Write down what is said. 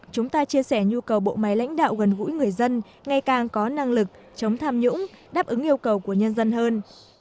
chúng ta chia sẻ nhu cầu bộ máy lãnh đạo gần gũi người dân ngày càng có năng lực chống tham nhũng đáp ứng yêu cầu của nhân dân hơn